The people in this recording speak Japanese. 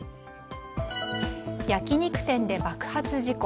焼き肉店で爆発事故。